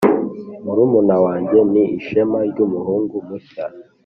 murumuna wanjye ni ishema ryumuhungu mushya.